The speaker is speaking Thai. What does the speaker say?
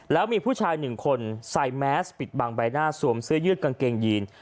แล้วมีผู้ชายหนึ่งคนใส่แมสปิดบังใบหน้าสวมเสื้อยืดกางเกงยีน